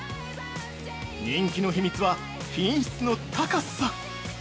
人気の秘密は、品質の高さ。